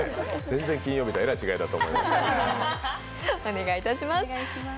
全然、金曜日とはえらい違いだと思います。